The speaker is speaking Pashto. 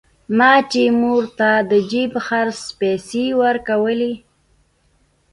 ما چې مور ته د جيب خرڅ پيسې ورکولې.